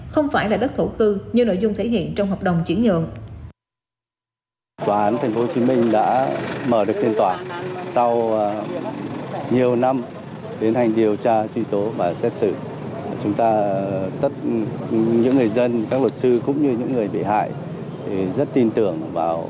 không phải là đất thổ cư như nội dung thể hiện trong hợp đồng chuyển nhượng